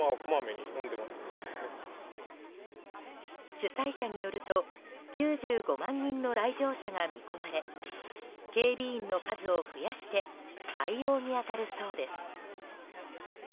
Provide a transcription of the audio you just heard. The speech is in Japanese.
主催者によると９５万人の来場者が見込まれ警備員の数を増やして対応に当たるそうです。